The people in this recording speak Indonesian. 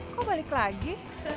kok balik lagi